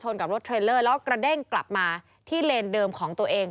กับรถเทรลเลอร์แล้วก็กระเด้งกลับมาที่เลนเดิมของตัวเอง